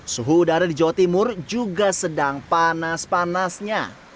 suhu udara di jawa timur juga sedang panas panasnya